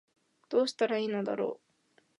どうしたら良いのだろう